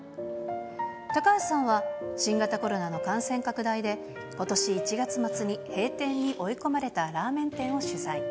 高橋さんは、新型コロナの感染拡大で、ことし１月末に閉店に追い込まれたラーメン店を取材。